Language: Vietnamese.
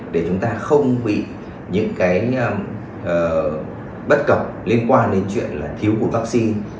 để chúng ta không bị những cái bất cập liên quan đến chuyện là thiếu của vaccine